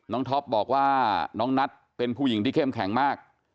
ท็อปบอกว่าน้องนัทเป็นผู้หญิงที่เข้มแข็งมาก